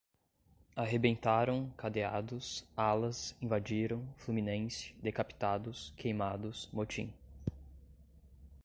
arrebentaram, cadeados, alas, invadiram, fluminense, decapitados, queimados, motim